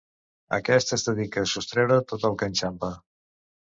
Aquest es dedica a sostreure tot el que enxampa.